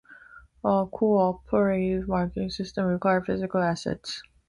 A co-operative marketing system required physical assets.